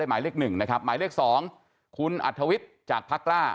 ได้หมายเลขหนึ่งนะครับหมายเลขสองคุณอัฐวิทย์จากพักล่า